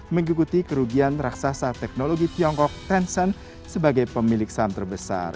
mengikuti kerugian raksasa teknologi tiongkok tencent sebagai pemilik saham terbesar